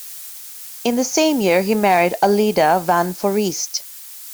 In the same year he married Aleida van Foreest.